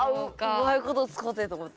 うまいこと使うてと思って。